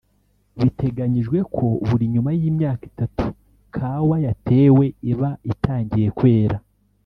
Biteganyijwe ko buri nyuma y’imyaka itatu kawa yatewe iba itangiye kwera